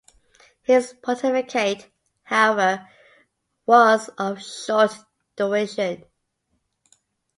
His pontificate, however, was of short duration.